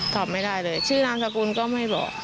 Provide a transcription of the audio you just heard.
ตอบไม่ได้เลยชื่อนามสกุลก็ไม่บอก